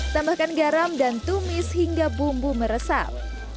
tambahkan garam dan tumis hingga bumbu meresap